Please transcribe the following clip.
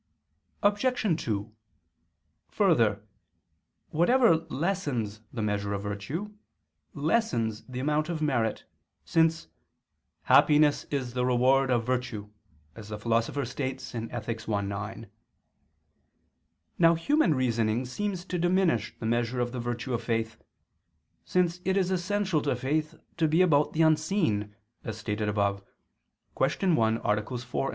Obj. 2: Further, whatever lessens the measure of virtue, lessens the amount of merit, since "happiness is the reward of virtue," as the Philosopher states (Ethic. i, 9). Now human reasoning seems to diminish the measure of the virtue of faith, since it is essential to faith to be about the unseen, as stated above (Q. 1, AA. 4, 5).